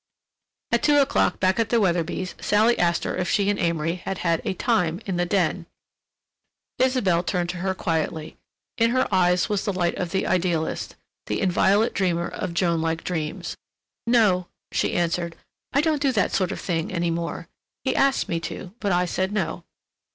At two o'clock back at the Weatherbys' Sally asked her if she and Amory had had a "time" in the den. Isabelle turned to her quietly. In her eyes was the light of the idealist, the inviolate dreamer of Joan like dreams. "No," she answered. "I don't do that sort of thing any more; he asked me to, but I said no."